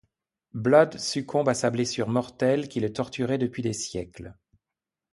Blood succombe à sa blessure mortelle qui le torturait depuis des siècles.